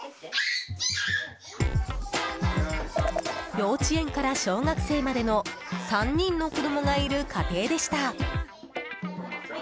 幼稚園から小学生までの３人の子供がいる家庭でした。